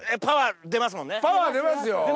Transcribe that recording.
パワー出ますよ。